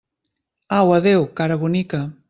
Au, adéu, cara bonica!